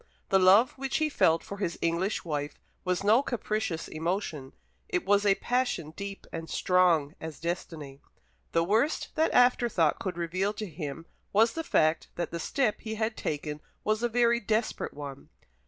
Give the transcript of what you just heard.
The love which he felt for his English wife was no capricious emotion; it was a passion deep and strong as destiny. The worst that afterthought could reveal to him was the fact that the step he had taken was a very desperate one.